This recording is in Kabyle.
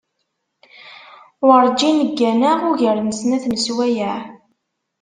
Werǧin gganeɣ ugar n snat n sswayeε.